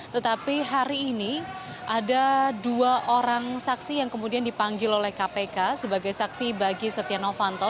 tetapi hari ini ada dua orang saksi yang kemudian dipanggil oleh kpk sebagai saksi bagi setia novanto